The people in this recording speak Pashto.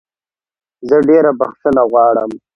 زه ډېره بخښنه غواړم.